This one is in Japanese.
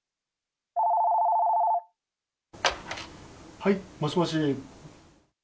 はい、もしもし。